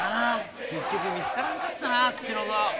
結局見つからんかったなツチノコ。